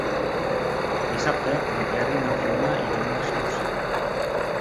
Dissabte en Quer i na Fiona iran d'excursió.